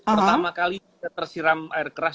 pertama kali kita tersiram air keras